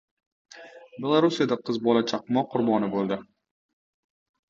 Belorussiyada qiz bola chaqmoq qurboni bo‘ldi